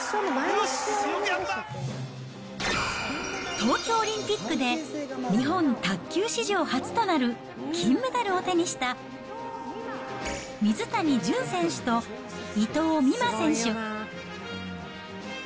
東京オリンピックで、日本卓球史上初となる金メダルを手にした、水谷隼選手と伊藤美誠選手。